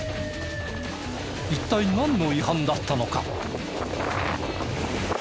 一体なんの違反だったのか？